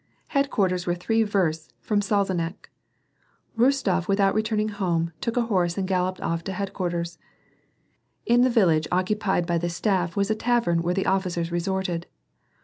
Headquarters were three versts * from Salzeneck. Rostof , without returning home, took a horse and galloped off to head quarters. In the village occupied by the staff was a tavern where the officers resorted.